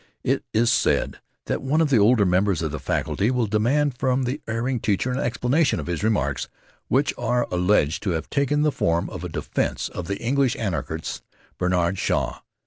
It is said that one of the older members of the faculty will demand from the erring teacher an explanation of his remarks which are alleged to have taken the form of a defense of the English anarchist Bernhard Shaw.